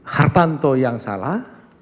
hartanto yang salah